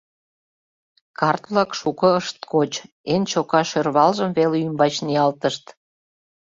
Карт-влак шуко ышт коч, эн чока шӧрвалжым веле ӱмбач ниялтышт.